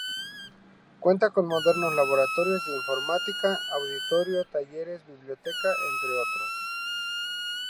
Cuenta con modernos laboratorios de informática, auditorio, talleres, biblioteca, entre otros.